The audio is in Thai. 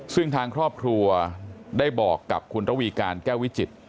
ซึ่งทางครอบครัวได้บอกกับคุณระวีการแก้ววิจิตร